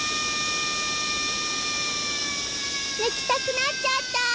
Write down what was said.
ぬきたくなっちゃった！